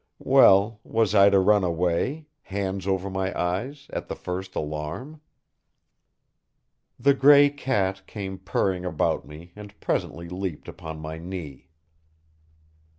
Well, was I to run away, hands over my eyes, at the first alarm? The gray cat came purring about me and presently leaped upon my knee.